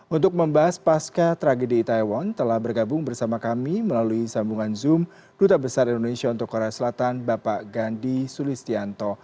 untuk membahas pasca tragedi itaewon telah bergabung bersama kami melalui sambungan zoom duta besar indonesia untuk korea selatan bapak gandhi sulistianto